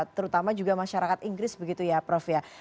terutama juga masyarakat inggris begitu ya prof ya